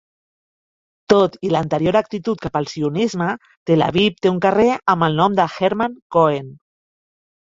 Tot i l'anterior actitud cap al sionisme, Tel Aviv té un carrer amb el nom de Hermann Cohen.